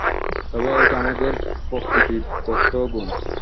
তবে এটা আমাদের প্রকৃতিদত্ত গুণ।